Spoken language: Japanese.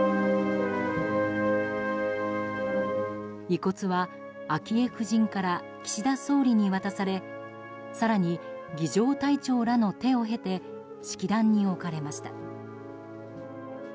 遺骨は昭恵夫人から岸田総理に渡され更に、儀仗隊長らの手を経て式壇に置かれました。